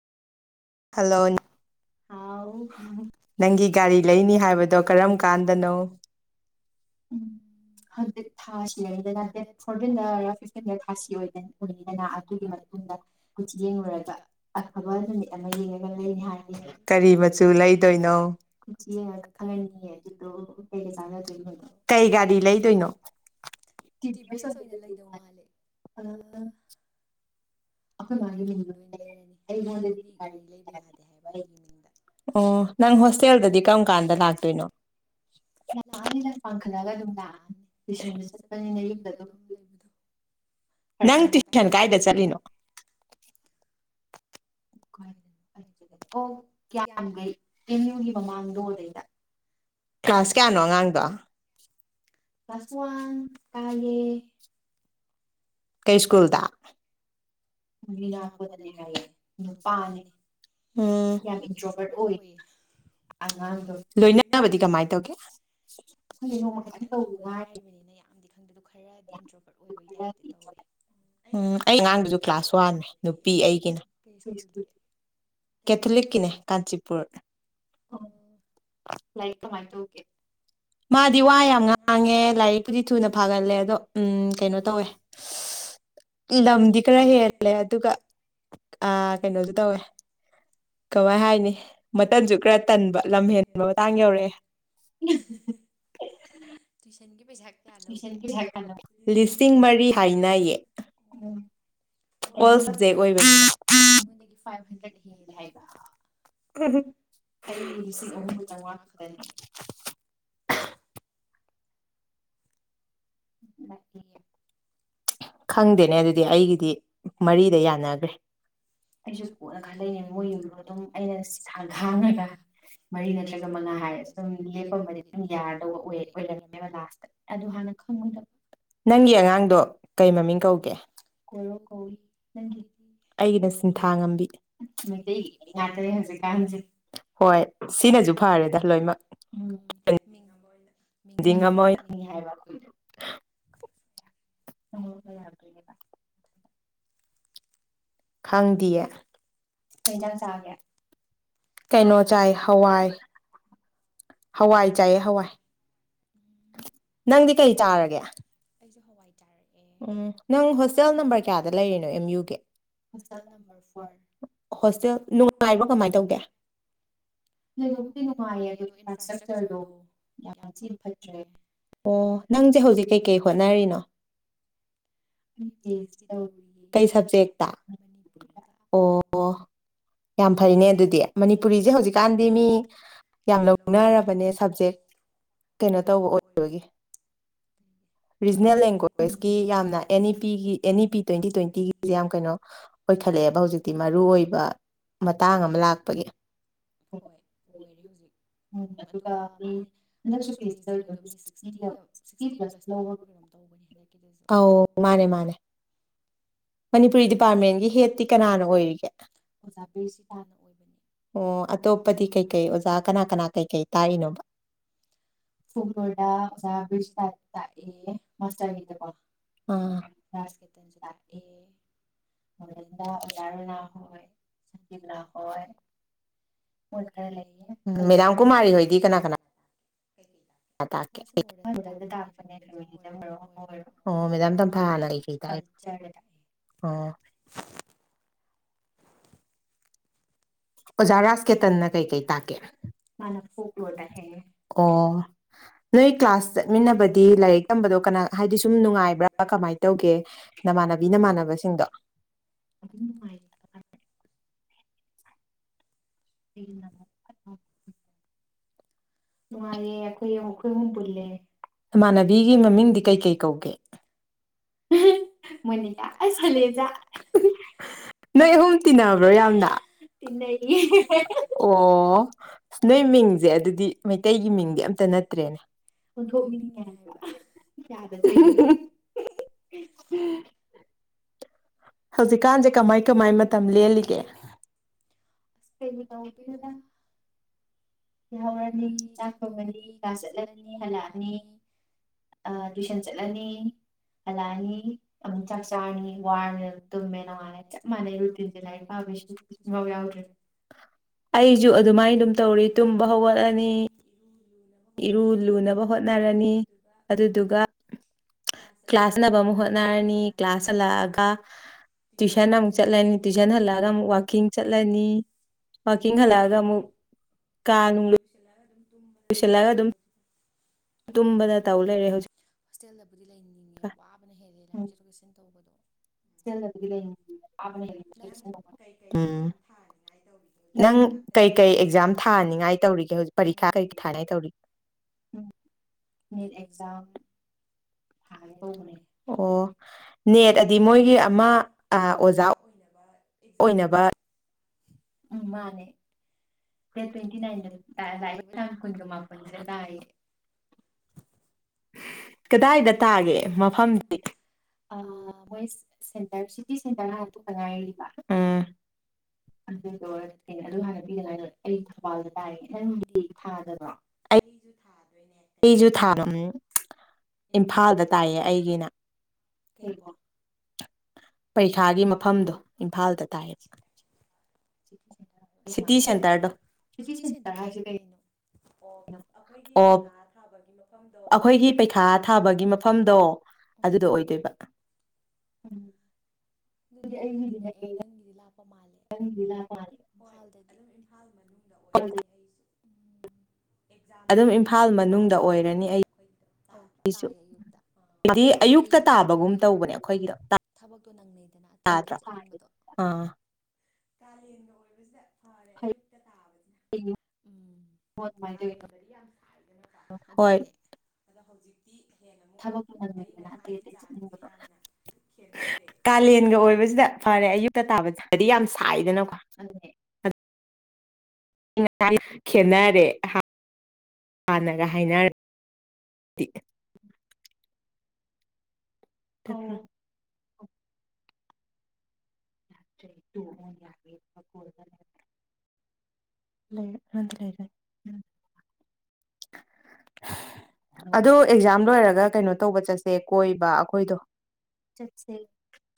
ꯍꯜꯂꯣꯟ hello ꯅꯪꯒꯤ ꯒꯥꯔꯤ ꯂꯩꯅꯤ ꯍꯥꯏꯕꯗꯣ ꯀꯔꯝ ꯀꯥꯟꯗꯅꯣ ꯎꯝ ꯍꯟꯗꯤꯛ ꯊꯥ ꯁꯤꯔꯅꯤꯗꯅ ꯗꯦꯠ ꯐꯣꯔꯇꯤꯟꯗ ꯑꯣꯏꯔꯣ ꯐꯤꯐꯇꯤꯟꯗ ꯊꯥꯁꯤ ꯑꯣꯏꯗ ꯑꯣꯏꯅꯤꯗꯅ ꯑꯗꯨꯒꯤ ꯃꯇꯨꯡꯗ ꯀꯨꯇꯤ ꯌꯦꯡꯂꯨꯔꯒ ꯑꯐꯕ ꯅꯨꯃꯤꯠ ꯑꯃ ꯌꯦꯡꯉꯒ ꯂꯩꯅꯤ ꯍꯥꯏꯌꯦ ꯀꯔꯤ ꯃꯆꯨ ꯂꯩꯗꯣꯏꯅꯣ ꯀꯨꯊꯤ ꯌꯦꯡꯉꯒ ꯈꯪꯉꯅꯤꯌꯦ ꯑꯗꯨꯗꯣ ꯀꯩꯒꯥ ꯆꯥꯟꯅꯗꯣꯏꯅꯣ ꯑꯗꯣ ꯀꯩ ꯒꯥꯔꯤ ꯂꯩꯗꯣꯏꯅꯣ ꯇꯤꯚꯤꯑꯦꯁ ꯑꯣꯏꯅ ꯂꯩꯗꯧ ꯃꯥꯜꯂꯦ ꯑꯥ ꯑꯩꯈꯣꯏ ꯃꯥꯒꯤ ꯃꯤꯡꯗ ꯑꯣꯏꯅ ꯂꯩꯔꯅꯤ ꯑꯩꯉꯣꯟꯗꯗꯤ ꯒꯥꯔꯤ ꯂꯩꯕ ꯌꯥꯗꯦ ꯍꯥꯏꯕ ꯑꯩꯒꯤ ꯃꯤꯡꯗ ꯑꯣ ꯅꯪ ꯍꯣꯁꯇꯦꯜꯗꯗꯤ ꯀꯔꯝ ꯀꯟꯗꯥ ꯂꯛꯇꯣꯏꯅꯣ ꯂꯥꯛꯑꯥꯅꯤ ꯗꯥ ꯄꯥꯡꯈꯠꯂꯒ ꯑꯗꯨꯝ ꯂꯥꯛꯑꯅꯤ ꯇꯨꯏꯁꯟꯁꯨ ꯆꯠꯄꯅꯤꯅ ꯌꯨꯝꯗ ꯑꯗꯨꯝ ꯂꯩꯕꯗꯣ ꯐꯔꯝ ꯅꯪ ꯇꯨꯏꯁꯟ ꯀꯥꯏꯗꯥ ꯆꯠꯂꯤꯅꯣ ꯑꯣ ꯀꯤꯌꯝꯒꯩ ꯑꯦꯝꯌꯨꯒꯤ ꯃꯃꯥꯡꯗꯣ ꯑꯗꯩꯩꯗ ꯀ꯭ꯂꯥꯁ ꯀꯌꯥꯅꯣ ꯑꯉꯥꯡꯗꫭ ꯀ꯭ꯂꯥꯁ ꯋꯥꯟ ꯀꯥꯏꯌꯦ꯫ ꯀꯩ ꯏꯁ꯭ꯀꯨꯜꯗ ꯌꯨꯅꯥꯀꯣꯗꯅꯦ ꯍꯥꯏꯌꯦ ꯅꯨꯄꯥꯅꯦ꯫ ꯌꯥꯝ ꯏꯟꯇ꯭ꯔꯣꯕꯔꯠ ꯑꯣꯏꯌꯦ ꯑꯉꯥꯡꯗꯣ ꯂꯣꯏꯅꯞꯗꯤ ꯀꯃꯥꯏ ꯇꯧꯋꯤ [inaudible] ꯈꯪꯗꯦ ꯅꯣꯡꯃ ꯈꯤꯇꯪ ꯇꯧꯗꯒ ꯉꯥꯏꯔꯤꯕꯅꯤꯅ ꯌꯥꯝꯗꯤ ꯈꯪꯗꯦ ꯗꯨ ꯈꯔꯗꯤ ꯏꯟꯇ꯭ꯔꯣꯕꯔꯠ ꯑꯣꯏꯕꯒꯤ ꯇꯥꯏꯞꯇꯤ ꯇꯧꯋꯤ ꯎꯝ ꯑꯩ ꯑꯉꯥꯡꯗꯨꯁꯨ ꯀ꯭ꯂꯥꯁ ꯋꯥꯟꯅꯦ ꯄꯤ ꯑꯩꯒꯤ ꯀꯩ ꯏꯁ꯭ꯀꯨꯜꯒꯤ ꯀꯦꯊꯂꯤꯛ ꯀꯤꯅꯦ ꯀꯥꯟꯆꯤꯄ꯭ꯔꯨ ꯑꯣ ꯂꯥꯏꯔꯤꯛ ꯀꯃꯥꯏꯅ ꯇꯧꯒꯦ ꯃꯥꯗꯤ ꯋꯥ ꯌꯥꯝ ꯉꯥꯡꯉꯦ ꯂꯥꯏꯔꯤꯛꯄꯨꯗꯤ ꯊꯨꯅ ꯐꯒꯜꯂꯦ ꯑꯗꯣ ꯎꯝ ꯀꯩꯅꯣ ꯇꯧꯋꯦ ꯂꯝꯗꯤ ꯈꯔ ꯍꯦꯜꯂꯦ ꯑꯗꯨꯒ ꯀꯩꯅꯣꯁꯨ ꯇꯧꯋꯦ ꯀꯃꯥꯏ ꯍꯥꯏꯅꯤ ꯃꯇꯟꯁꯨ ꯈꯔ ꯇꯟꯕ ꯂꯝ ꯍꯦꯟꯕ ꯃꯇꯥꯡ ꯌꯥꯎꯔꯛꯑꯦ꯫ [unintelligible] ꯇ꯭ꯌꯨꯁꯟꯒꯤ ꯄꯩꯁꯥ ꯀꯌꯥ ꯂꯧꯒꯦ ꯂꯤꯁꯤꯡ ꯃꯔꯤ ꯍꯥꯏꯅꯌꯦ ꯑꯣ ꯑꯩꯉꯣꯟ ꯑꯣꯜ ꯁꯕꯖꯦꯛ ꯑꯣꯏꯕꯅꯤꯅ ꯑꯩꯉꯣꯟꯗꯒꯤ ꯐꯥꯏꯚ ꯍꯟꯗ꯭ꯔꯦꯗ ꯍꯦꯜꯂꯦ ꯍꯥꯏꯕ ꯑꯩ ꯂꯤꯁꯤꯡ ꯑꯍꯨꯝꯒ ꯆꯝꯃꯉꯥ ꯈꯛꯇꯅꯦ꯫ ꯂꯛꯑꯦ ꯈꯪꯗꯦꯅꯦ ꯑꯗꯨꯗꯤ ꯑꯩꯒꯤꯗꯤ ꯃꯔꯤꯗ ꯌꯥꯅꯈ꯭ꯔꯦ꯫ ꯑꯩꯁꯨ ꯀꯣꯟꯅ ꯈꯜꯂꯛꯏꯅꯦ ꯃꯣꯏ ꯌꯨꯝꯗꯣ ꯑꯗꯨꯝ ꯑꯩꯅ ꯁꯤꯈꯥꯡ ꯈꯥꯡꯉꯒ ꯃꯔꯤ ꯅꯠꯇ꯭ꯔꯒ ꯃꯉꯥ ꯍꯥꯏꯔ ꯁꯨꯝ ꯂꯦꯞꯄ ꯑꯃꯗꯤ ꯑꯗꯨꯝ ꯌꯥꯗꯧꯕ ꯑꯣꯏꯔꯝꯃꯦꯕ ꯂꯥꯁꯇ ꯑꯗꯨ ꯍꯥꯟꯅ ꯊꯝꯒꯗꯕ ꯅꯪꯒꯤ ꯑꯉꯥꯡꯗꯣ ꯀꯩꯃꯃꯤꯡ ꯀꯧꯒꯦ ꯀꯣꯔꯧ ꯀꯧꯏ ꯅꯪꯒꯤꯗꯤ ꯑꯩꯩꯒꯤꯅ ꯁꯤꯡꯊꯥ ꯉꯝ ꯃꯩꯇꯩꯒꯤ ꯃꯤꯡ ꯉꯥꯛꯇꯅꯦ ꯍꯧꯖꯤꯛꯀꯥꯟꯁꯦ ꯍꯣꯏ ꯁꯤꯅꯁꯨ ꯐꯔꯦꯗ ꯂꫭꯏꯃꯛ ꯎꯝ [unintelligible] ꯑꯃ ꯑꯣꯏꯅ ꯃꯤꯡꯁꯦ ꯌꯥꯝ ꯑꯣꯟꯊꯣꯛꯅꯤꯡꯉꯤ ꯍꯥꯏꯕ ꯑꯩꯈꯣꯏꯗꯣ ꯅꯪꯉꯣꯟꯗ ꯌꯥꯔꯛꯇꯣꯏꯅꯦꯕ ꯈꯪꯗꯤꯌꯦ ꯀꯩ ꯏꯪꯖꯥꯡ ꯆꯔꯒꯦ ꯀꯩꯅꯣ ꯆꯥꯏ ꯍꯋꯥꯏ ꯍꯋꯥꯏ ꯆꯥꯏ ꯍꯋꯥꯏ ꯎꯝ ꯅꯪꯗꯤ ꯀꯩ ꯆꯥꯔꯒꯦ ꯑꯩꯁꯨ ꯍꯋꯥꯏ ꯆꯔꯛꯑꯦ ꯅꯪ ꯍꯣꯁꯇꯦꯜ ꯅꯝꯕꯔ ꯀꯌꯥꯗ ꯂꯩꯔꯤꯅꯣ ꯑꯦꯝ ꯌꯨ ꯒꯤ ꯍꯣꯁꯇꯦꯜ ꯅꯝꯕꯔ ꯐꯣꯔ ꯍꯣꯁꯇꯦꯜ ꯅꯨꯡꯉꯥꯏꯕꯔꯣ ꯀꯃꯥꯏꯅ ꯇꯧꯒꯦ ꯂꯩꯕꯕꯨꯗꯤ ꯅꯨꯡꯉꯥꯏꯌꯦ ꯑꯗꯣ ꯏꯟꯐ꯭ꯔꯥꯁ꯭ꯇ꯭ꯔꯛ ꯏꯁꯇ꯭ꯔꯛꯆꯔꯗꯣ ꯌꯥꯝ ꯊꯤꯟ ꯐꯠꯇ꯭ꯔꯦ ꯅꯪꯁꯦ ꯍꯧꯖꯤꯛ ꯀꯩꯀꯩ ꯍꯣꯠꯅꯔꯤꯅꯣ ꯀꯩ ꯁꯕꯖꯦꯛꯇ ꯑꯣ ꯌꯥꯝ ꯐꯔꯤꯅꯦ ꯑꯗꯨꯗꯤ ꯃꯅꯤꯄꯨꯔꯤꯁꯦ ꯍꯧꯖꯤꯛꯀꯥꯟꯗꯤ ꯃꯤ ꯌꯥꯝꯅ ꯂꯧ ꯂꯧꯅꯔꯕꯅꯦ ꯁꯞꯖꯦꯛ ꯀꯩꯅꯣ ꯇꯧꯕ ꯑꯣꯏꯕꯒꯤ ꯔꯤꯖꯅꯦꯜ ꯂꯦꯡꯒꯨꯋꯦꯖ ꯒꯨꯋꯦꯁꯀꯤ ꯌꯥꯝꯅ ꯑꯦꯟ ꯏ ꯄꯤꯒꯤ ꯑꯦꯟ ꯏ ꯄꯤ ꯇ꯭ꯋꯦꯟꯇꯤ ꯇ꯭ꯋꯦꯟꯇꯤꯒꯤꯁꯦ ꯌꯥꯝ ꯀꯩꯅꯣ ꯑꯣꯏꯈꯠꯂꯛꯑꯦꯕ ꯍꯧꯖꯤꯛ ꯗꯤ ꯃꯔꯨ ꯑꯣꯏꯕ ꯃꯇꯥꯡ ꯑꯃ ꯂꯥꯛꯄꯒꯤ꯫ ꯍꯣꯏ ꯑꯣꯏꯔꯦ ꯍꯧꯖꯤꯛ ꯎꯝ ꯑꯗꯨꯒ ꯃꯤ ꯍꯟꯗꯛꯁꯨ ꯄꯤ ꯑꯩꯆ ꯗꯤ ꯂꯧꯏꯗꯣ ꯃꯤ ꯁꯤꯛꯁꯇꯤꯒ ꯁꯤꯛꯁꯇꯤ ꯄ꯭ꯂꯁ ꯂꯧꯕ꯭ꯔꯥ ꯀꯩꯅꯣꯝ ꯇꯧꯕꯅꯦ ꯍꯟꯗꯛꯀꯤꯗꯨꯁꯨ ꯑꯧ ꯃꯥꯅꯦ ꯃꯥꯅꯦ ꯃꯅꯤꯄꯨꯔꯤ ꯗꯤꯄꯥꯔꯠꯃꯦꯟꯒꯤ ꯍꯦꯠꯇꯤ ꯀꯅꯥꯅ ꯑꯣꯏꯔꯤꯒꯦ ꯑꯣꯖꯥ ꯕꯤꯔꯖꯤ ꯇꯥꯅ ꯑꯣꯏꯕꯅꯦ ꯑꫭ ꯑꯇꯣꯞꯄꯗꯤ ꯀꯩ ꯀꯩ ꯑꯣꯖꯥ ꯀꯅꯥ ꯀꯅꯥ ꯐꯨꯒꯂꯣꯔꯗ ꯑꯣꯖꯥ ꯕꯤꯔꯖꯤꯇꯥ ꯇꯥꯛꯑꯦ꯫ ꯃꯥꯁꯇꯔꯒꯤꯗꯀꯣ ꯔꯥꯁ ꯀꯦꯇꯟꯁꯨ ꯇꯥꯛꯑꯦ꯫ ꯃꯣꯗꯟꯗꯥ ꯑꯣꯖꯥ ꯔꯅꯥ ꯍꯣꯏ ꯁꯥꯟꯇꯤꯕꯂꯥ ꯍꯣꯏ ꯃꯣꯏ ꯈꯔ ꯂꯩꯌꯦ ꯀꯜꯆꯔ [unintelligible] ꯃꯁꯨ ꯃꯣꯗꯟꯗ ꯇꯥꯛꯄꯅꯦ ꯐꯦꯃꯤꯅꯤꯖꯝ ꯑꯣꯏꯔꯣ ꯑꯃ ꯑꯣꯏꯔꯣ [unintelligible] ꯀꯜꯆꯔꯗ ꯇꯥꯛꯑꯦ꯫ ꯑꯣ ꯑꯣꯖꯥ ꯔꯥꯁꯀꯦꯇꯟꯅ ꯀꯩ ꯀꯩ ꯇꯥꯀꯦ ꯃꯥꯅ ꯐꯣꯛ ꯂꯣ ꯇꯑꯦ ꯑꯣ ꯅꯣꯏ ꯀ꯭ꯂꯥꯁ ꯆꯠꯃꯤꯟꯅꯕꯗꯤ ꯂꯥꯏꯔꯤꯛ ꯇꯝꯕꯗꯣ ꯀꯅꯥꯅꯣ ꯍꯥꯏꯗꯤ ꯁꯨꯝ ꯅꯨꯡꯉꯥꯏꯕ꯭ꯔꯥ ꯀꯃꯥꯏꯅ ꯇꯧꯒꯦ ꯅꯃꯥꯟꯅꯕꯤ ꯅꯃꯥꯟꯅꯕꯁꯤꯡꯗꯣ ꯑꯗꯨꯝ ꯅꯨꯡꯉꯥꯏꯌꯦ ꯑꯦ ꯅꯨꯡꯉꯥꯏ ꯑꯩ ꯏꯃꯥꯟꯅꯕꯤꯒꯤ ꯃꯃꯤꯡꯗꯤ ꯀꯩ ꯀꯩ ꯀꯧꯒꯦ ꯑꯍꯨꯡ ꯃꯣꯅꯤ ꯁꯂꯦꯟꯖ ꯅꯣꯏ ꯑꯍꯨꯝ ꯇꯤꯟꯅꯕ꯭ꯔꯣ ꯌꯥꯝꯅ ꯑꯣ ꯅꯣꯏ ꯃꯤꯡꯁꯦ ꯑꯗꯨꯗꯤ ꯃꯩꯇꯩꯒꯤ ꯃꯤꯡꯗꯤ ꯑꯝ ꯅꯠꯇ꯭ꯔꯦꯅꯦ ꯍꯛ ꯍꯤ ꯍꯤ ꯍꯧꯖꯤꯛꯀꯥꯟ ꯍꯧꯖꯤꯛ ꯀꯃꯥꯏ ꯀꯃꯥꯏ ꯃꯇꯝ ꯂꯦꯜꯂꯤꯒꯦ ꯑꯁ ꯀꯩꯕꯨ ꯇꯧꯗꯣꯏꯅꯣꯗ ꯌꯥꯍꯧꯔꯅꯤ ꯆꯥꯛ ꯊꯣꯡꯉꯅꯤ ꯀ꯭ꯂꯥꯁ ꯆꯠꯂꯅꯤ ꯍꯜꯂꯛꯑꯅꯤ ꯇꯨꯏꯁꯟ ꯆꯠꯂꯅꯤ ꯍꯜꯂꯛꯑꯅꯤ ꯑꯃꯨꯛ ꯆꯥꯛ ꯆꯥꯔꯅꯤ ꯋꯥꯔꯅꯤ ꯇꯨꯝꯃꯦ ꯅꯣꯡꯉꯥꯜꯂꯦ ꯆꯞ ꯃꯥꯟꯅꯩ ꯔꯨꯇꯤꯟꯁꯦ ꯂꯥꯏꯔꯤꯛ ꯄꯥꯕꯩ ꯁꯛꯇꯤ ꯁꯨꯡꯌꯥꯎ ꯌꯥꯎꯗ꯭ꯔꯦ ꯑꯩꯁꯨ ꯑꯗꯨꯃꯥꯏꯅ ꯑꯗꯨꯝ ꯇꯧꯔ ꯇꯨꯝꯕ ꯍꯧꯒꯠꯂꯅꯤ ꯏꯔꯨ ꯂꯨꯅꯕ ꯏꯔꯨ ꯂꯨꯅꯕ ꯍꯣꯠꯅꯔꯅꯤ ꯑꯗꯨꯗꯨꯒ ꯀ꯭ꯂꯥꯁ ꯆꯠꯅꯕ ꯑꯃꯨꯛ ꯍꯣꯠꯅꯔꯅꯤ ꯀ꯭ꯂꯥꯁ ꯍꯜꯂꯛꯑꯒ ꯇꯨꯏꯁꯟ ꯑꯃꯨꯛ ꯆꯠꯂꯅꯤ ꯇꯨꯏꯁꯟ ꯍꯜꯂꯛꯑꯒ ꯑꯃꯨꯛ ꯋꯥꯋꯥꯛꯀꯤꯡ ꯆꯠꯂꯅꯤ ꯄꯥꯔꯀꯤꯡ ꯍꯜꯂꯛꯑꯒ ꯑꯃꯨꯛ ꯀꯥ ꯂ ꯂ ꯑꯗꯨꯝ ꯇꯨꯝ ꯇ ꯂꯩꯖꯤꯗ ꯇꯨꯝꯕꯗ ꯇꯧ ꯂꯩꯔꯦ ꯍꯧꯖꯤꯛ ꯍꯣꯁꯇꯦꯜꯗꯕꯨꯗꯤ ꯂꯩꯅꯤꯡꯉꯦ ꯋꯥꯕꯅ ꯍꯦꯜꯂꯦ ꯂꯝꯕꯤ ꯆꯠꯊꯣꯛ ꯆꯠꯁꯤꯟ ꯇꯧꯕꯗꯣ ꯆꯦꯜꯂ ꯎꯝ ꯅꯪ ꯀꯩꯀꯩ ꯑꯦꯛꯖꯥꯝ ꯊꯥꯅꯤꯡꯉꯥꯏ ꯇꯧꯔꯤꯒꯦ ꯍꯧꯖꯤꯛ ꯄꯔꯤꯈꯥ ꯀꯩꯀ ꯊꯥꯅꯩ ꯇꯧꯔꯤ ꯎꯝ ꯅꯦꯠ ꯑꯦꯛꯖꯥꯝ ꯊꯥꯒꯦ ꯇꯧꯕꯅꯦ ꯑꯣ ꯅꯦꯠ ꯑꯗꯤ ꯃꯣꯏꯒꯤ ꯑꯃ ꯑꯣꯖꯥ ꯑꯣꯏꯅꯕ ꯑꯦꯛꯖꯥꯝꯗꯨꯔꯣ ꯎꯝ ꯃꯥꯅꯦ ꯗꯦꯠ ꯇ꯭ꯋꯦꯟꯇꯤ ꯅꯥꯏꯟꯗ ꯂꯥꯛꯏꯕ ꯇꯥꯡ ꯀꯨꯟꯒ ꯃꯥꯄꯟꯁꯤꯗ ꯇꯥꯏꯌꯦ [unintelligible] ꯀꯗꯥꯏꯗ ꯇꯥꯒꯦ ꯃꯐꯝꯗꯤ ꯃꯣꯏ ꯁꯦꯟꯇꯔ ꯁꯤꯇꯤ ꯁꯦꯟꯇꯔ ꯍꯥꯟꯅ ꯊꯣꯛꯇ ꯉꯥꯏꯔꯤꯕ ꯑꯗꯨꯗꯣ ꯀꯩꯅꯣ ꯑꯗꯨ ꯍꯥꯟꯅ ꯄꯤꯗꯉꯥꯏꯗ ꯑꯩꯗꯤ ꯊꯧꯕꯥꯜꯗ ꯇꯥꯛꯑꯦ ꯅꯪꯗꯤ ꯊꯥꯗꯕ꯭ꯔꯣ ꯑꯩꯁꯨ ꯊꯥꯗꯣꯏꯅꯦ ꯀꯩꯅꯣ ꯎꯝ ꯏꯝꯐꯥꯜꯗ ꯇꯥꯏꯌꯦ ꯑꯩꯒꯤꯅ ꯄꯔꯤꯈꯥꯒꯤ ꯃꯐꯝꯗꯣ ꯏꯝꯐꯥꯜꯗ ꯇꯥ ꯁꯤꯇꯤ ꯁꯦꯟꯇꯔ ꯍꯥꯏꯁꯤ ꯀꯩꯅꯣ ꯑꯣ ꯑꯩꯈꯣꯏꯒꯤ ꯄꯩꯈꯥ ꯊꯥꯕꯒꯤꯅꯣ ꯃꯐꯝꯗꯣ ꯑꯗꯨꯗꯣ ꯑꯣꯏꯗꯣꯏꯕ ꯎ ꯑꯗꯨꯗꯤ ꯑꯩꯒꯤꯗꯤ ꯅꯛꯑꯦ ꯅꯪꯒꯤꯗꯤ ꯂꯥꯛꯄ ꯃꯥꯜꯂꯦ ꯂꯔ ꯑꯗꯨꯝ ꯏꯝꯐꯥꯜ ꯃꯅꯨꯡꯗ ꯑꯣꯏꯔꯅꯤ ꯑꯩꯁꯨ ꯑꯦꯛꯖꯥꯝꯗꯤ ꯑꯌꯨꯛꯇ ꯇꯥꯕꯒꯨꯝ ꯇꯧꯕꯅꯦ ꯑꯩꯈꯣꯏꯒꯤꯗ ꯇꯥꯏ ꯑꯌꯨ ꯐꯩꯉꯣ ꯑꯗꯨꯃꯥꯏꯅ ꯇꯧꯔꯤꯗꯣ ꯍ ꯊꯕꯛꯇꯣ ꯅꯪꯅꯩꯗꯅ ꯑꯇꯩ ꯑꯇꯩ ꯆꯠꯅꯤꯡꯕꯗꯣ ꯑꯥ ꯀꯥꯂꯦꯟꯒ ꯑꯣꯏꯕꯁꯤꯗ ꯐꯔꯦ ꯑꯌꯨꯛꯇ ꯇꯥꯕꯁꯤꯅ ꯀꯂꯦꯟꯗꯤ ꯌꯥꯝ ꯑꯗꯨꯅꯦ ꯑꯗꯣ ꯍꯧꯖꯤꯛꯇꯤ ꯍꯦꯟꯅ ꯑꯃꯨꯛ ꯑꯏꯪ ꯑꯁꯥꯒꯤ ꯆꯥꯡꯁꯦ ꯌꯥꯝꯅ ꯈꯦꯠꯅꯔꯦ ꯇꯤꯟꯒ ꯑꯣꯏꯕꯁꯤꯗ ꯐꯔꯦ ꯑꯌꯨꯛꯇ ꯇꯥꯕꯗ ꯍꯥꯏꯗꯤ ꯌꯥꯝ ꯁꯥꯏꯗꯅꯀꯣ꯫ ꯈꯦꯅꯔꯦ꯫ ꯍꯥꯟꯅꯔ ꯍꯥꯏꯅꯔꯗꯤ꯫ [unintelligible] [inaudible] [unintelligible] [inaudible] ꯑꯗꯣ ꯑꯦꯛꯖꯥꯝ ꯂꯣꯏꯔꯒ ꯀꯩꯅꯣ ꯇꯧꯕ ꯆꯠꯁꯦ ꯀꯣꯏꯕ ꯑꯩꯈꯣꯏꯗꯣ ꯆꯠꯁꯦ꯫